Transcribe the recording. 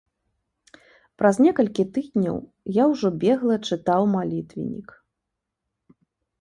Праз некалькі тыдняў я ўжо бегла чытаў малітвеннік.